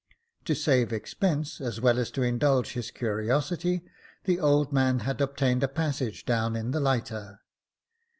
To save expense, as well as to indulge his curiosity, the old man had obtained a passage down in the lighter.